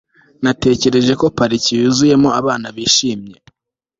natekereje ko pariki yuzuyemo abana bishimye